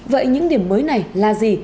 vậy những điểm mới này là gì